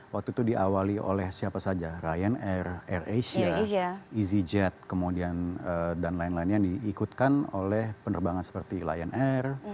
waktu itu diawali oleh siapa saja ryan air air asia easy jet kemudian dan lain lainnya diikutkan oleh penerbangan seperti lion air